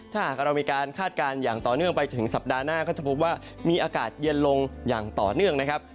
ถ้าหากเรามีการคาดการณ์อย่างต่อเนื่องไปจนถึงสัปดาห์หน้าก็จะพบว่ามีอากาศเย็นลงอย่างต่อเนื่องนะครับ